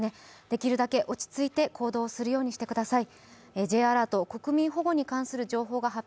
できるだけ落ち着いて行動するようにしてください。